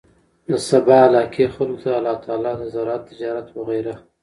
د سبا علاقې خلکو ته الله تعالی د زراعت، تجارت وغيره